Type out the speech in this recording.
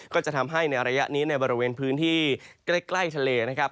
ก็จะทำให้ในระยะนี้ในบริเวณพื้นที่ใกล้ทะเลนะครับ